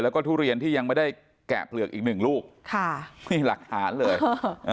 แล้วก็ทุเรียนที่ยังไม่ได้แกะเปลือกอีกหนึ่งลูกค่ะนี่หลักฐานเลยเออ